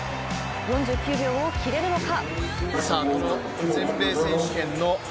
４９秒を切れるのか。